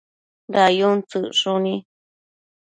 dayun tsëcshuni